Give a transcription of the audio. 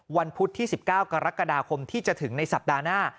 พุธที่๑๙กรกฎาคมที่จะถึงในสัปดาห์หน้า